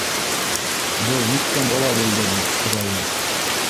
Был ниткән бала булды был, хоҙайым...